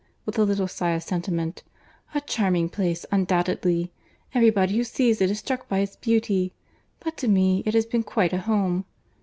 (with a little sigh of sentiment). A charming place, undoubtedly. Every body who sees it is struck by its beauty; but to me, it has been quite a home.